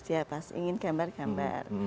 dia pas ingin gambar gambar